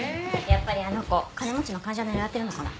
やっぱりあの子金持ちの患者狙ってるのかな？